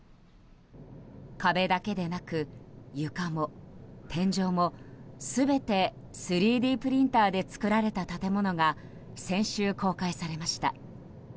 壁だけでなく床も天井も全て３Ｄプリンターで作られた建物が先週、公開されました。